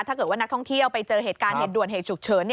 ถ้าเกิดว่านักท่องเที่ยวไปเจอเหตุการณ์เหตุด่วนเหตุฉุกเฉิน